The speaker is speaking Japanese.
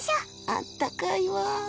あったかいわ。